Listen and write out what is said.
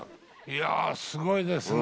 いやすごいですね。